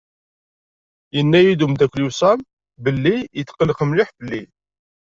Yenna-yi-d umdakel-iw Sam belli yetqelleq mliḥ fell-i.